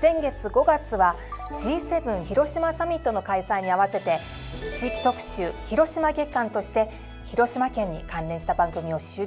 先月５月はＧ７広島サミットの開催に合わせて地域特集・広島月間として広島県に関連した番組を集中的に編成。